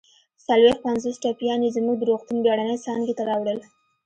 څلويښت پنځوس ټپیان يې زموږ د روغتون بېړنۍ څانګې ته راوړل